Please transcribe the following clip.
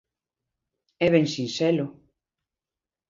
¡É ben sinxelo!